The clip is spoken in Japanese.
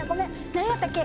なんやったっけ？